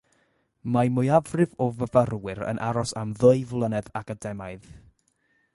Mae mwyafrif o fyfyrwyr yn aros am ddwy flynedd academaidd.